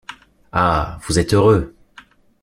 Ah! vous êtes heureux !